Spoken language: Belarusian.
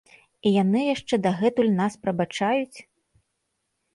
І яны яшчэ дагэтуль нас прабачаюць?